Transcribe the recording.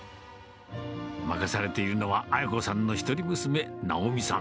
任されているのは、あや子さんの一人娘、直美さん。